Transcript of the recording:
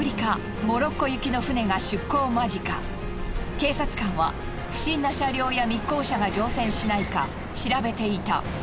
警察官は不審な車両や密航者が乗船しないか調べていた。